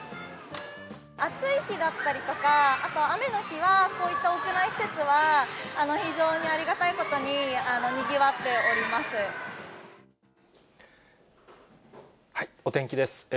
暑い日だったりとか、あと、雨の日は、こういった屋内施設は非常にありがたいことに、にぎわっておりまお天気です。